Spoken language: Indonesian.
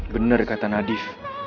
bener kata nadif